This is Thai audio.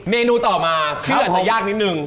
เนนูต่อมาชื่ออาจจะยากนิดนึง